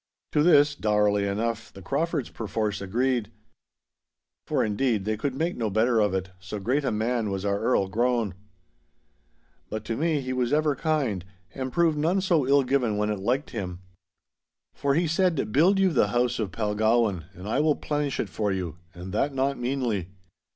To this, dourly enough, the Craufords perforce agreed. For, indeed, they could make no better of it, so great a man was our Earl grown. But to me he was ever kind, and proved none so ill given when it liked him. For he said, 'Build you the house of Palgowan and I will plenish it for you, and that not meanly.